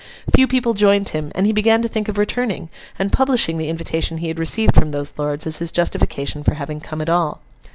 Few people joined him; and he began to think of returning, and publishing the invitation he had received from those lords, as his justification for having come at all.